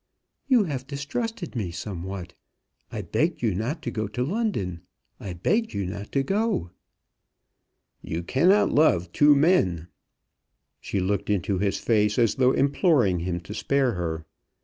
"You have distrusted me somewhat. I begged you not to go to London. I begged you not to go." "You cannot love two men." She looked into his face, as though imploring him to spare her.